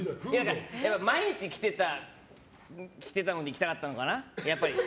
毎日着てたので行きたかったのかな？